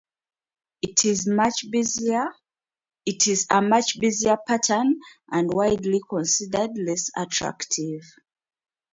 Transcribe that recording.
It is a much busier pattern, and widely considered less attractive.